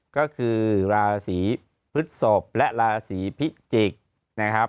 ก็คือราศีพฤศพและราศีพิจิกษ์นะครับ